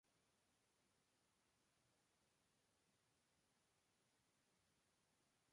Su especialización es el Derecho Internacional Humanitario.